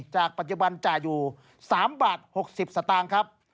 จากปัจจุบันจ่ายอยู่๓บาท๖๐สตางค์ครับ